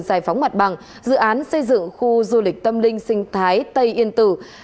giải phóng mặt bằng dự án xây dựng khu du lịch tâm linh sinh thái tây yên tử